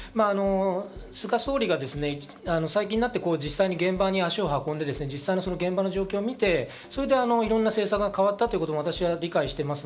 菅総理が最近になって実際に現場に足を運んで、実際の現場の状況を見て、それでいろんな政策が変わったということ私は理解しています。